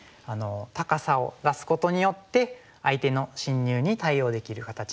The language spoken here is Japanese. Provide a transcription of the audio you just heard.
高さを出すことによって相手の侵入に対応できる形になります。